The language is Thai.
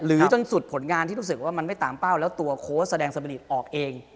จนสุดผลงานที่รู้สึกว่ามันไม่ตามเป้าแล้วตัวโค้ชแสดงสมริษฐ์ออกเอง